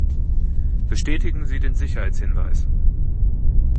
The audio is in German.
Bestätigen Sie den Sicherheitshinweis.